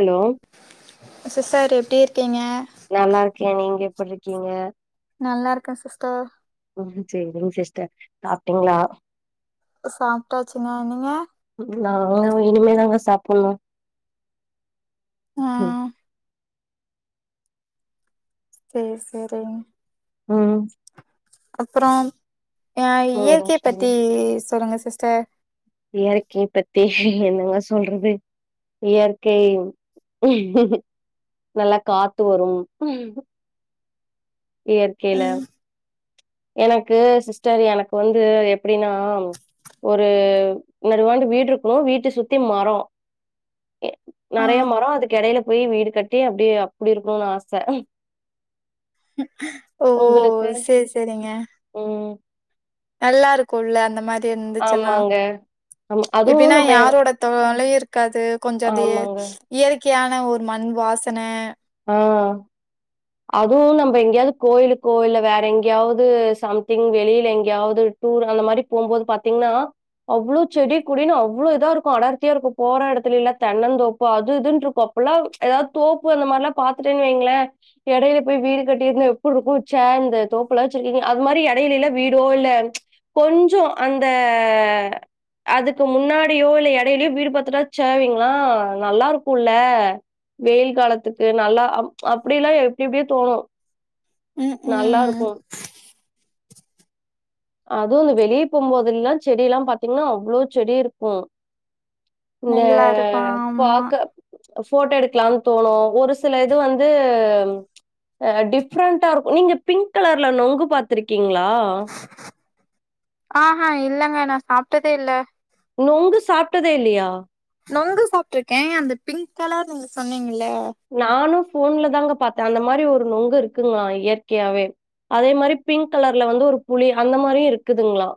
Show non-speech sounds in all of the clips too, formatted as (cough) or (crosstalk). Hello sister எப்டி இருக்கீங்க நல்லா இருக்கே நீங்க எப்டிருக்கீங்க நல்லா இருக்கன் சிஸ்டர் ம் சேரிங்க சிஸ்டர் சாப்ட்டீங்ளா சாப்ட்டாச்சிங்க நீங்க நாங்க இனிமேதாங்க சாப்பனு ஆ சேரி செரிங் ம் அப்புறம் அ நீங்கதா இயற்கைய சொல்லணு பத்தி சொல்லுங்க சிஸ்டர் இயற்கைய பத்தி என்னங்க சொல்றது இயற்கை நல்லா காத்து வரும் இயற்கையில ம் எனக்கு சிஸ்டர் எனக்கு வந்து எப்டின்னா ஒரு முன்னாடி வந்து வீடு இருக்கணு வீட்ட சுத்தி மரொ ஆ நெறையா மரோ அதுக்கு எடேல போயி வீடு கட்டி அப்டியே அப்டி இருக்கணுன்னு ஆச (inaudible) ஓ உங்களுக்கு சேரி சேரிங்க ம் நல்லா இருக்குல்ல அந்த மாரி இருந்துச்சின்னா ஆமாங்க ஆமா அதுவும் எப்டின்னா நம்ப யாரோட தொல்லையு இருக்காது கொஞ்ச அதயே ஆமாங்க. இயற்கையான ஒரு மண் வாசன ஆ அதுவு நம் எங்கயாவது கோயிலுக்கோ இல்ல வேற எங்கயாவது சம்திங் வெளில எங்கயாவது ஊரு அந்த மாரி போம்போது பாத்தீங்னா அவ்ளோ செடி கொடின்னு அவ்ளோ இதா இருக்கு அடர்த்தியா இருக்கு போற எடத்துல எல்லா தென்னந்தோப்பு அது இதுன்ருக்கு அப்பல்லா ஏதாவது தோப்பு அந்த மாரிலா பாத்துட்டே வைங்களே எடையில போய் வீடு கட்டிருந்தா எப்டி இருக்கு இந்த தோப்புலா வச்சிருக்கீங்க அது மாரி எடைலல்ல வீடோ இல்ல கொஞ்சோ அந்த அதுக்கு முன்னாடியோ இல்ல எடைலயோ வீடு பாத்துட்டா இங்களா நல்லா இருக்குல்ல வெயில் காலத்துக் கு நல்லா அப் அப்டில்லா எப்டி எப்டியோ தோணு ம் நல்லா ம் இருக்கு அதுவு இந்த வெளிய போம் போதெல்லா செடி எல்லா பாத்தீங்கன்னா அவ்ளோ செடி இருக்கு இந்த நல்லா இருக்கு ஆமா பாக்க ஃபோட்டோ எடுக்கலானு தோணு ஒரு சில இது வந்து ஆ டிஃப்ரெண்டா இருக்கு நீங்க பிங்க் கலர்ல நொங்கு பாத்துருக்கீங்களா ஆ ஹா இல்லங்க நா சாப்ட்டதே இல்ல நொங்கு சாப்ட்டதே இல்லயா நொங்கு சாப்ட்டுருக்கே அந்த பிங்க் கலர் நீங்க சொன்னீங்கல்ல நானு ஃபோன்ல தாங்க பாத்தே அந்த மாரி ஒரு நொங்கு இருக்குங்க இயற்கையாவே அதே மாதிரி பிங்க் கலர்ல வந்து ஒரு புளி அந்த மாரியு இருக்குதுங்களா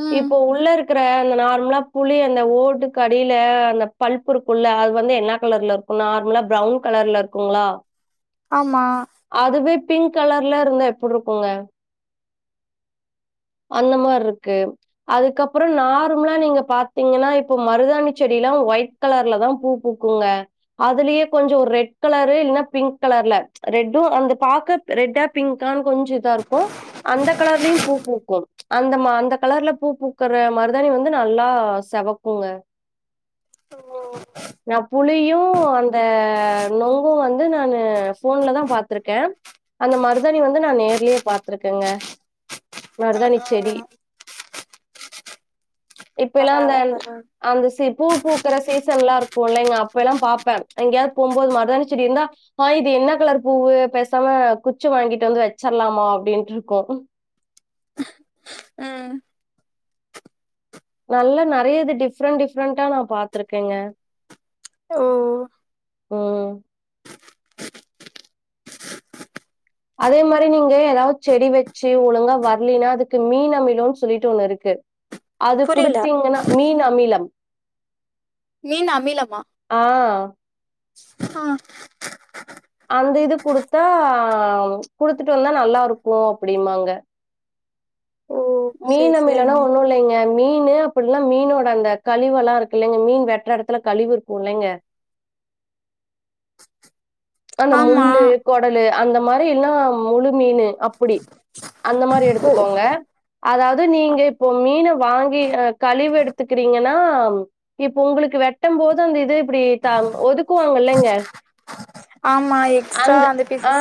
ம் இப்ப உள்ள இருக் குற அந்த நார்மலா புளி அந்த ஓட்டுக்கு அடில அந்த பல்ப்பு இருக்குல்ல அது வந்து என்ன கலர்ல இரு அது நார்மலா ப்ரவுன் கலர்ல இருக்குங்களா ஆமா அதுவே பிங்க் கலர்ல இருந்தா எப்டி இருக்குங்க அந்த மார்ருக்கு அதுக்கப்றோ நார்மல்லா நீங்க பாத்தீங்கன்னா இப்ப மருதாணி செடில்லா ஒய் ட் கலர்ல தா பூ பூக்குங்க அதுலயே கொஞ்சோ ஒரு ரெட் கலரு இல்லன்னா பிங்க் கலர்ல ரெட்டு அந்த பாக்க ரெட்டா பிங்கான்னு கொஞ்சோ இதா இருக்கு அந்த கலர்லயு பூ பூக்கு அந்த அந்த கலர்ல பூ பூக்குற மருதாணி வந்து நல்லா செவக்குங்க ஓ நா புளியு அந் த நொங்கு வந்து நானு ஃபோன்ல தா பாத்துருக்கே அந்த மருதாணி வந்து நா நேர்லயே பாத்துருக்கேங்க ம் மருதாணி செடி ம் இப்ப எல்லா அந்த பரவால்ல பரவால்ல அந்த சி பூ பூக்குற சீசன் எல்லா இருக்கு இல்லைங்க அப்பெல்லா பாப்பே எங்கயாவது போம் போது மருதாணிசெடி இருந்தா ஆ இது என்ன கலர் பூவு பேசாம குச்சி வாங்கிட்டு வந்து வச்சிருலாம அப்டின்ட்டு இருக்கு ம் நல்லா நெறைய இது டிஃப்ரெண்ட் டிஃப்ரெண்டா நா பாத்துருக்கேங்க ஓ ம் அதே மாரி நீங்களே ஏதாவது செடி வச்சி ஒழுங்கா வரலினா அதுக்கு மீன் அமிலன்னு சொல்லிட்டு ஒண்ணு இருக்கு அது புரில குடுத்தீங்கன்னா மீன் அமிலம் மீன் அமிலமா ஆ. ஆ அந்த இது குடுத்தா குடுத்துட்டு வந்தா நல்லாருக்கு அப்டிமாங்க ஓ சேரி மீன் அமிலன்னா சேரிங்க ஒன்னு இல்லைங்க மீனு அப்புடூல்னா மீனோட அந்த கழிவெல்லா இருக்கு இல்லைங்க மீன் வெட்ற எடத்துல கழிவு இருக்கு இல்லைங்க அந்த ஆமா முள்ளு கொடலு அந்த மாரி இல்னா முழு மீனு அப்புடி அந்த மாரி ஓ எடுத்துகோங்க அதாவுது நீங்க இப்போ மீன வாங்கி அ கழிவு எடுத்துகிறீங்கன்னாம் இப்ப உங்களுக்கு வெட்டம்போது அந்த இது இப்டி தம் ஒதுக்குவாங்கல்லங்க ஆமா எக் அந்த ஆ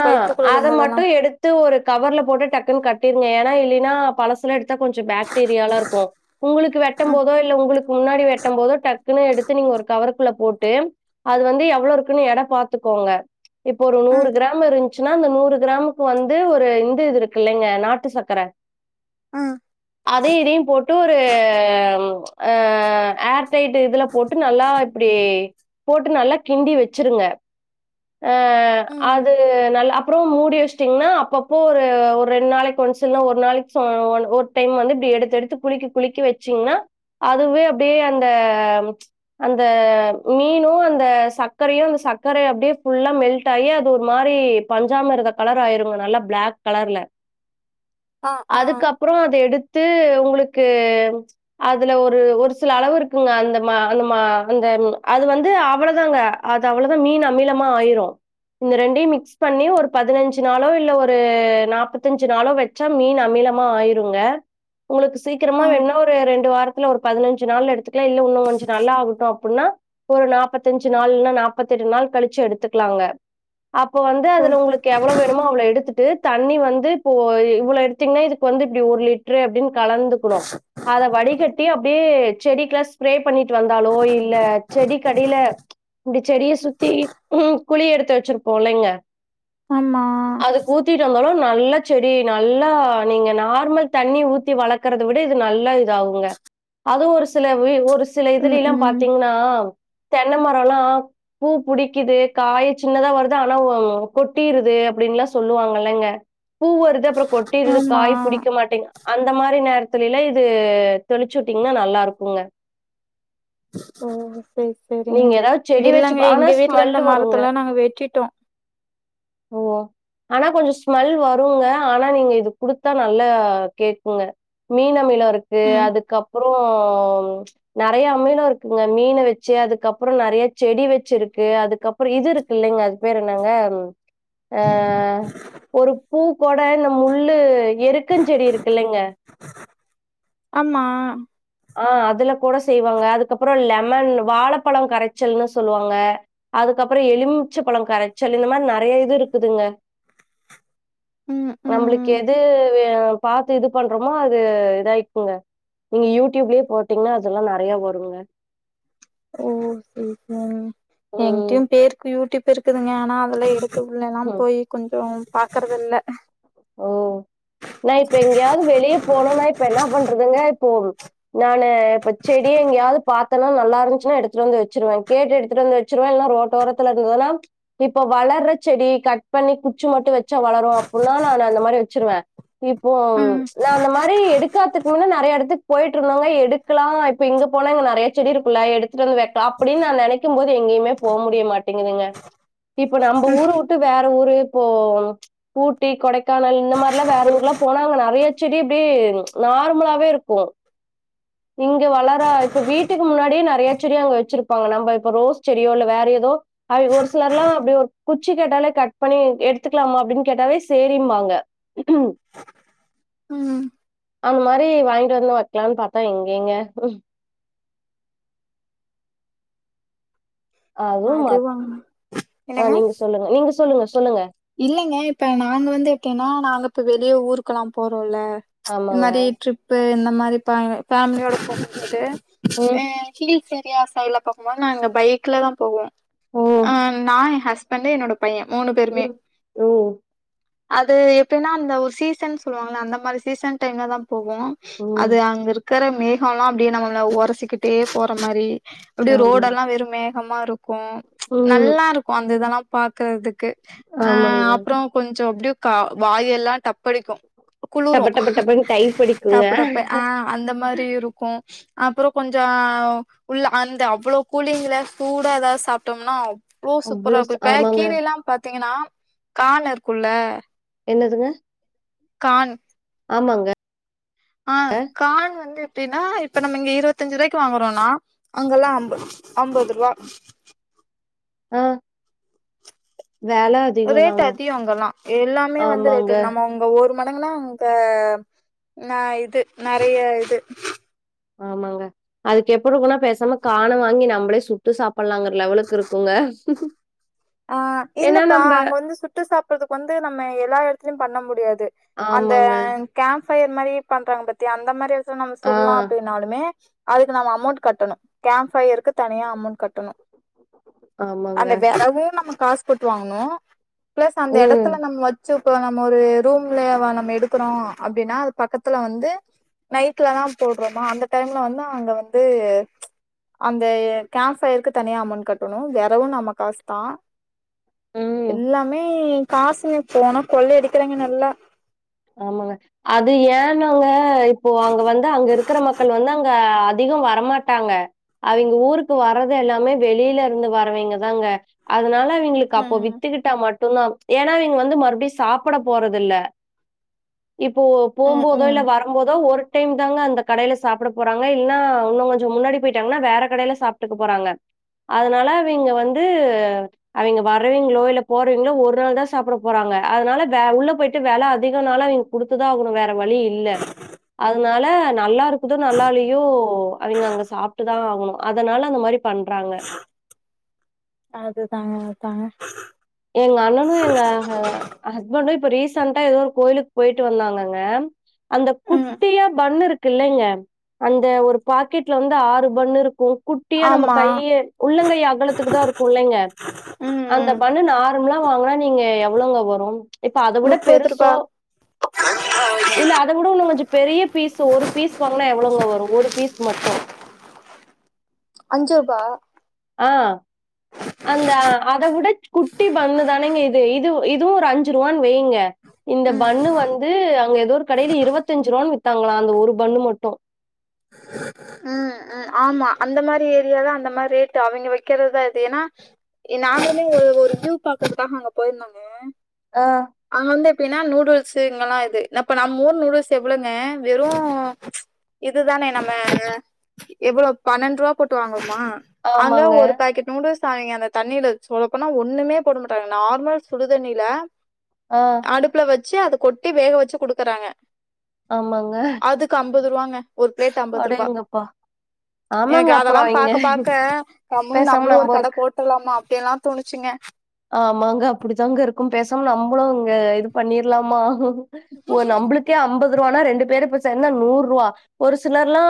அத மட்டு எடுத் த்து ஒரு கவர்லப் போட்டு டக்குன் கட்டிருங்க எனா இல்லீனா பழசல எடுத்தா கொஞ்சோ பேக்டீரியாலா இருக்கு உங்குளுக்கு ம் வெட்டம்போதோ இல்ல உங்குளுக்கு முன்னாடி வெட்டம்போதோட் டக்குனு எடுத்து நீங்க ஒருக் கவருக்குள்ள போட்டு அது வந்து எவ்ளோருக்குனு எடப் பாத்துகோங்க இப்போ ஒரு நூறு ம் கிராம் இருந் சுனா அந்த நூறு கிராமுக்கு வந்து ஒரு இந்த இது இருக்குல்லைங்க நாட்டு சக்கர ஆ அதையு இதையும் போட்டு ஒரு ம் அ ஏர்டைட் இதுலப் போட்டு நல்லா இப்டி போட்டு நல்லா கிண்டி வெச்சிருங்க ஆ அ ம் அது நல்ல அப்புறோ மூடி வெச்ட்டீங்னா அப்பப்போ ஒரு ஒரு ரெண் நாளைக்கு ஒன்ஸ் இல்னா ஒரு நாளைக் சோ ஒன் ஒரு டைம் வந்து இப்டி எடுத்து எடுத்து குலுக்க குலுக்கி வெச்சீங்னா அதுவே அப்டியே அந்த அந்த மீனு அந்த சர்க்கரையு அந்த சர்க்கரே அப்டியேப் ஃபுல்லா மெல்ட்டாகி அது ஒரு மாரி பஞ்சாமிருதக் கலராயிருங்க நல்லாப் பிளாக் கலர்ல ஆ ஆ அதுக்கப்றோ அத எடுத்து உங்ளுக்கு அதுல ஒரு ஒரு சில அளவு இருக்குங்க அந்த மா அந்த மா அந்தம் அது வந்து அவளதாங்க அது அவ்ளதா மீன் அமிலமா ஆயிரு இந்த ரெண்டையு மிக்ஸ் பண்ணி ஒருப் பதுனஞ்சு நாளோ இல்ல ஒரு நாப்பத்தஞ்சு நாளோ வெச் ச மீன் அமிலமா ஆயிருங்க உங்களுக்கு சீக்கிரமா ஆ வேண்ணா ஒரு ரெண்டு வாரத் துல ஒருப் பதுனஞ்சு நாள்ல எடுத்துக்லா இல்ல இன்னு கொஞ்சோ நல்லாகட்டு அப்புட்ன்னா ஒரு நாப்பத்தஞ்சு நாள் இல்னா நாப்பத்தெட்டு நாள் கழிச்சு எடுத்துக்லாங்க அப்போ வந்து ஓ அதுல உங்ளுக் கெவ்ளோ வேணுமோ அவ்ளோ எடுத்துட்டு தண்ணி வந்து இப்போ இவ்ளோ எடுத்தீங்னா இதுக்கு வந்து இப்டி ஒரு லிட் ட்ரு அப்டின் கலந்துகுனு அத வடிகட்டி அப்டியே செடிக்லா ஸ்ப்ரே பண்ணிட்டு வந்தாலோ இல்ல செடிக் கடியில இப்டி செடிய சுத்தி குழிய எடுத்து வெச்சிருப்போ இல்லைங்க ஆமா ஊத்திட் வந்தாலு நல்லா செடி நல்லா நீங்க நார்மல் தண்ணி ஊத்தி வளக்கறத் த விட இது நல்லா இது ஆகுங்க அது ஒரு சில வீ ஒருச் சில ம் இதுலிலாம் ம் பாத்தீங்னா தென்ன மரோலா பூப் புடிக்கிது காயே சின்னதா வருது ஆனாவோம் கொட்டிருது அப்டின்லா சொல்லுவாங்கல்லங்க பூ வருது அப்றோ கொட்டிருது ஆமா காய் புடிக்க மாட்டேங்க அந்த மாரி நேரத்துலில இது தெளிச்சு விட்டீங்கன்னா நல்லா இருக்குங்க ஓ செரி செரிங்க நீங்க ஏதாவது செடி வச்சு இல்லைங்க பா- ஆனா எங்க வீட்ல ஸ்மெல் இருந்த வருங்க மரத்தல்லா நாங்க வெட்டிட்டோ ஓ ஆனா கொஞ்ச ஸ்மெல் வருங்க ஆனா நீங்க இது குடுத்தா நல்லா கேக்குங்க மீன் அமில இருக்கு ம் அதுக்கப்புறோ நறைய அமிலோ இருக்குங்க மீன வெச்சு அதுக்கப்புற நறைய செடி வெச் ச்சுருக்கு அதுக்கப்புற இது இருக்கு இல்லைங்க அது பேரு என்னங்க ஆ ஒரு பூ கூட இந்த முள்ளு எருக்கஞ்செடி இருக்குல்லைங்க ஆமா ஆ அதுல கூட செய்வாங்க அதுக்கப்புற லெமன் வாழைப்பழம் கரைச்சல்னு சொல்லுவாங்க அதுக்கப்புற எலுமிச்சை பழம் கரைச்சல் இந்த மாரி நறைய இது இருக்குதுங்க ம் ம் நம்மளுக்கு எது பாத்து இது பண்றோமோ அது இதாயிக்குங்க நீங்க யூ யூடியூப்லே போட்டீங்கனா அதெல்லா நறைய வருங்க ஓ செர் செர் ம். எங்கிட்டயு பேருக்கு யூடியூப் இருக்குதுங்க ஆனா அதெல்லா எடு த்து உள்ள எல்லாம் ம். போய் கொஞ்சோ பாக்கறதில்ல ஓ நா இப்ப எங்கேயாவது வெளிய போனுனா இப்ப என்ன பண்றதுங்க இப்போ நானு இப்ப செடி எங்கேயாது பாத்தனா நல்லா இருந்துச்சுனா எடுத்துட்டு வந்து வச்சிருவ கேட்டு எடுத்துட்டு வந்து வச்சிருவ இல்லனா ரோட்டோரத்துல இருந்ததுனா இப்ப வளர்ற செடி கட் பண்ணி குச்சி மட்டு வச்சா வளரு அப்பினா நானு அந்த மாரி வச்சிருவே இப்போ ம் நா அந்த மாரி எடுக்காதுக்கு முன்ன நறையா இடத்துக்கு போயிட்டு இருந்தனால எடு க்கலா இப்ப இங்க போனா இங்க நறைய செடி இருக்குல எடுத்துட்டு வந்து வைக்கலா அப்டின்னு நா நனைக்கும் போது எங்கேயுமே போ முடிய மாட் டிங்குதுங்க இப்போ நம்ம ஊர விட்டு வேற ஊரு இப்போ ஊட்டி கொடைக்கானல் இந்த மாரிலா வேற ஊர்லா போனா அங்க நறைய செடி இப்டியே நார்மலாவே இருக்கு இங்க வளரா இப்ப வீட்டுக்கு முன்னாடியே நறையா செடி அவுங்க வெச்சிருப்பாங்க நம்ம இப்ப ரோஸ் செடியோ இல்ல வேற எதோ அ ஒரு சிலர்லா அப்டி ஒரு குச்சி கேட்டாலே கட் பண்ணி எடுத்துக்கலாமா அப்டின்னு கேட்டாவே சேரின்பாங்க ம் அந்த மாரி வாங்கிட்டு வந்து வைக்கலானு பாத்தா எங்கேங்க அதுவு அது மத் வாங்க அ நீங்க சொல்லுங்க நீங்க சொல்லுங்க சொல்லுங்க இல்லைங்க இப்ப நாங்க வந்து எப்டினா நாங்க இப்ப வெளிய ஊருக்கெல்லா போறோல இத ஆமாங்க. மாரி ட்ரிப்பு இந்த மாரி ப ஃபேமிலியோட போகும் போது ம் ஹில்ஸ் ஏரியா சைட்ல போகும்போது நாங்க பைக்ல தா போவோ ஓ! அ நா என் ஹஸ் பண்டு என்னோட பையே மூணு பேருமே ம். ஓ! அது எப்டினா அந்த ஒரு சீசன் சொல்லுவாங்கள அந்த மாரி சீசன் டைம்ல தா போவோ ம். அது அங்க இருக்குற மேகோலா அப்டியே நம்மல உரசிக்கிட்டே போற மாரி அப்டி ஆமா. ரோடெல்லா வெறு மேகமா இருக்கும் ம். நல்லா இருக்கு அந்த இதெல்லா பாக்குறதுக்கு ஆ ஆமாங்க. அப்றோ கொஞ்சோ அப்டியே கா வாயெல்லா டப்படிக்கு குளுரு டப டப டபன்னு டைப் அடிக்குங்க டப்டப்ப ஆ அந்த மாரி இருக்கு அப்பறோ கொஞ்சோ உள்ள அந்த அவ்ளோ கூலிங்ல சூடா எதாவது சாப்ட்டோம்னா அவ்ளோ சூப்பரா இருக்கு ச- இப்ப ஆமாங்க கீரைலா பாத்தீங்கனா கான் இருக்குல என்னதுங்க கான் ஆமாங்க ஆ காண் வந்து எப்டினா இப்ப நம்ம இங்க இருவத்தஞ்சுரூவாய்க்கு வாங்குறோனா அங்கலா அம்ப் அம்பது ரூவா ஆ வேல ரேட் அதிகோ அங்கெல்லாம் எல்லாமே வந்து ஆமாங்க ரேட்டு நம்மங் இங்க ஒரு மடங்குனா அங்க ந இது நறைய இது ஆமாங்க அதுக்கு எப்டி இருக்குனா பேசாம காண வாங்கி நம்பளே சுட்டு சாப்பிடலாம்ங்குற லெவலுக்கு இருக்குங்க ஆ ஏன்னா இல்லப்பா நம்ம அங்க வந்து சுட்டு சாப்புடுறதுக்கு வந்து நம்ம எல்லா இடத்துலயும் பண்ண முடியாது அந்த ஆமாங்க கேம்ப் ஃபயர் மாரியே பண்றாங்க பாத்தியா அந்த மாரி ஏது நம்ம ஆ சுடலா அப்டின் னாலுமே அதுக்கு நம்ம அமௌண்ட் கட்டணும் கேம்ப் ஃவயர்க்கு தனியா அமௌண்ட் கட்டணும் ஆமாங்க அந்த விறகும் நம்ம காசு போட்டு வாங்கணும் பிளஸ் அந்த ம் இடத்துல நம்ம வச் சு இப்ப நம்ம ஒரு ரூம்ல நம்ம எடுக்குறோம் அப்டினா அது பக்கத்துல வந்து நைட்ல தா போடுறோமா அந்த டைம்ல வந்து அங்க வந்து அந்த கேம்ப் ஃபயருக்கு தனியா அமௌண்ட் கட்டணும் வெரவும் நம்ம காசு தா ம் எல்லாமே காசுங்க போனா கொள்ள அடிக்கிறாய்ங்க நல்லா ஆமாங்க அது ஏன்னாங்க இப்போ அங்க வந்து அங்க இருக்குற மக்கள் வந்து அங்க அதிகோ வரமாட்டாங்க அவங்க ஊருக்கு வர்றது எல்லாமே வெளில இருந்து வரவைங்கதாங்க அதனால எங்களுக்கு அப்போ ம் வித்துக்கிட்டா மட்டும் தான் ஏன்னா இங்க வந்து மறுபடியும் சாப்ட போறதில்ல இப்போ போம் ம் போதோ இல்ல ம் வர போதோ ஒருடைம் தாங்க அந்த கடைல சாப்ட போறாங்க இல்னா இன்னும் கொஞ்சம் முன்னாடி போயிட்டாங்கன்னா வேற கடையில சாப் துக்கு போறாங்க அதனால அவிங்க வந்து அவைங்க வர்றவங்களோ இல்ல போறவங்களோ ஒரு நாள் தான் சாப்ட போறாங்க அதனால உள்ள போயிட்டு வெல அ அதிக நாளா நீங்க குடுத்து ஆகணும் வேற வழி இல்ல அதனால நல்லா இருக்குதோ நல்லாலையோ அவிங்க அங்க சாப்டு தான் ஆகணும் அதனால அந்த மாரி பண்றாங்க அதுதாங்க அதாங்க எங்க அண்ணனும் எங்க ஹஸ்பண்டும் இப்ப ரீசண்டா ஏதோ ஒரு கோயிலுக்கு போயிட்டு வந்தாங்கங்க அந்த ம் குட்டியா பண் இருக் இல்லைங்க அந்த ஒரு பாக்கெட்ல வந்து ஆறு பண்ணு இருக்கு குட்டியா நம்ம ஆமா கையே உள்ளங்கைய அகலத்துக்கு தான் இருக்கும் இல்லைங்க ம் அந்த ம் பண் நார்மலா வாங்னா நீங்க எவ்ளோங்க வரும் இப்ப அதை விட முப்பது ரூபா பெருசோ இல்ல அத கூட இன்னு கொஞ்சம் பெரிய பீஸ் ஒரு பீஸ் வாங்னா எவ்ளோங்க வரும் ஒரு பீஸ் மட்டும் அஞ்சு ரூபா ஆ அந்த அத விட குட்டி பண்ணுதானேங்க இது இது இதுவும் ஒரு அஞ்சு ரூவான்னு வைங்க இந்த ம் பண்ணு வந்து அங்க ஏதோ ஒரு கடையில இருவத்தஞ்சு ரூபான்னு வித்தாங்களாம் அந்த ஒரு பண்ணு மட்டும் அ ஆமா அந்த மாரி ஏரியா தான் அந்த மாரி ரேட்டு அவிங்க வைக்கிறதுதான் இது ஏன்னா நாங்களுமே ஒரு ஒரு வியூ பாக்கறதுகாக அங்க போயிருந்தோங்க ஆ அங்க வந்து எப்டின்னா நூடுல்ஸு இங்கெல்லா இது இப்ப நம்ம ஊர் நூடுல்ஸ் எவ்ளோங்க வெறு இதுதானே நம்ம எவ்ளோ பன்னெண்ருவா போட்டு வாங்கோமா அங்க ஆமாங்க. ஒரு பாக்கெட் நூடுல்ஸ் அவைங்க அந்த தண்ணில சொல்லப்போனா ஒண்ணுமே போட மாட்டாங்க நார்மல் சுடுதண்ணில ஆ அடுப்புல வச்சு அத கொட்டி வேக வச்சு குடுக்குறாங்க ஆமாங்க அதுக்கு அம்பது ருவாங்க ஒரு பிளேட் அம்பது ருபா அடேங்கப்பா! ஆமாங்க. எனக்கு அதெல்லா அப்புறம் இங்க பாக்க பாக்க நம்மளு பேசாம நம்மளு ஒரு நம்ப கட போட்ற்றுலாமா அப்டி எல்லா தோணுச்சுங்க ஆமாங்க அப்டித்தாங்க இருக்கு பேசாம நம்புளு அங்க இது பண்ணிர்லாமா ஒ நம்புளுக்கே அம்பது ரூவானா ரெண்டு பேரு இப்ப சேந்தா நூறு ருவா ஒரு சிலர்லா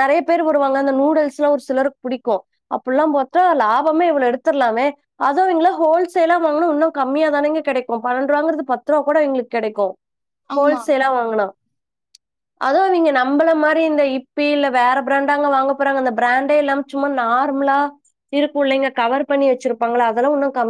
நெறைய பேர் வருவாங்க அந்த நூடுல்ஸிலா ஒரு சிலருக்கு பிடிக்கு அப்புலா பாத்தா லாபமே இவ்ளோ எடுத்துர்லாமே அதுவு இங்கல ஹோல்சேலா வாங்குன இன்னு கம்மியா தானேங்க கெடைக்கு பனெண்ருவாங்கிறது பத்து ரூவா கூட இவுங்களுக்கு கெடைக்கு ஆமா ஹோல்சேலா வாங்கணா அதுவு நீங்க ந நம்பள மாரி இந்த இப்பி இல்ல வேற பிராண்டாங்க வாங்க போறாங்க அந்த பிராண்டே இல்லாம சும்மா நார்மிலா இருக்குள்ளைங்க கவர் பண்ணி வச்சிருப்பாங்கள அதெல்லா உன்னு கம்மி